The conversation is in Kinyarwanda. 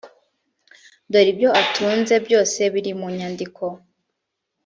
dore ibyo atunze byose biri munyandiko.